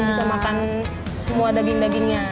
bisa makan semua daging dagingnya